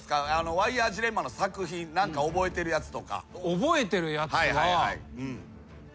ワイヤージレンマの作品何か覚えてるやつとか。